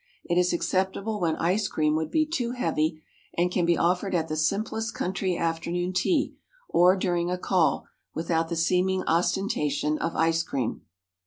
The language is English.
It is acceptable when ice cream would be too heavy, and can be offered at the simplest country afternoon tea, or during a call, without the seeming ostentation of ice cream.